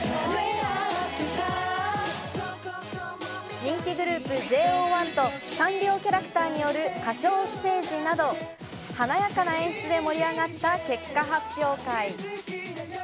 人気グループＪＯ１とサンリオキャラクターによる歌唱ステージなど、華やかな演出で盛り上がった結果発表会。